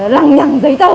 lằng nhằng giấy tờ